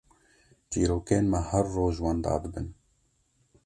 çîrokên me her roj wenda dibin.